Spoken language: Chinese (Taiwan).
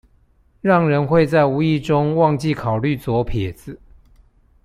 讓人會在無意中忘記考慮左撇子